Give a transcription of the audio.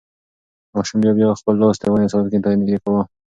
ماشوم بیا بیا خپل لاس د ونې څانګې ته نږدې کاوه.